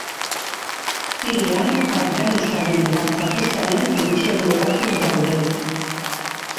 Sirian, Afganistanen eta Pakistanen, gutxiengo batzuk daude.